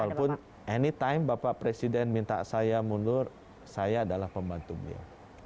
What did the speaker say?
walaupun anytime bapak presiden minta saya mundur saya adalah pembantu beliau